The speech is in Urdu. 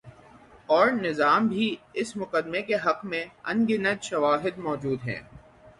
اورنظام بھی اس مقدمے کے حق میں ان گنت شواہد مو جود ہیں۔